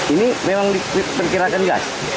ini memang diperkirakan gas